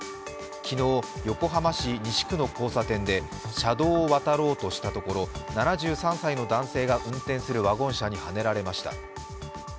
昨日、横浜市西区の交差点で車道を渡ろうとしたところ７３歳の男性が運転するワゴン車にはねられました。